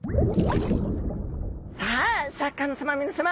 さあシャーク香音さま皆さま。